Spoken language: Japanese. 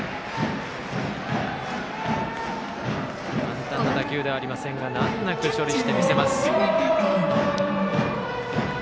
簡単な打球ではありませんが難なく処理して見せます。